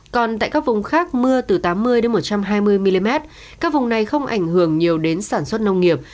còn tại các vùng khác mưa từ tám mươi một trăm hai mươi mm các vùng này không ảnh hưởng nhiều đến sản xuất nông nghiệp